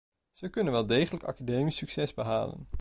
Ze kunnen wel degelijk academisch succes behalen.